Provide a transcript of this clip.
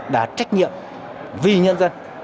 đã trách nhiệm vì nhân dân